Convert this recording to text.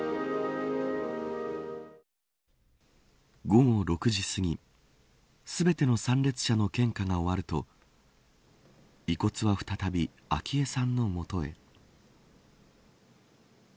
午後６時すぎ全ての参列者の献花が終わると遺骨は再び、昭恵さんの元へ。